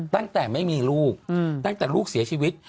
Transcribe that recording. ตั้งแต่ไม่มีลูกตั้งแต่ลูกเสียชีวิต